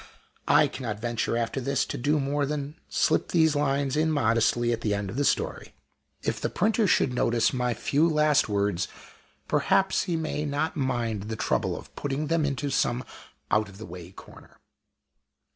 I cannot venture, after this, to do more than slip these lines in modestly at the end of the story. If the printer should notice my few last words, perhaps he may not mind the trouble of putting them into some out of the way corner.